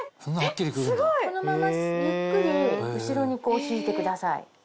このままゆっくり後ろに引いてください。